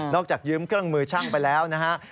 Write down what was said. จากยืมเครื่องมือช่างไปแล้วนะฮะ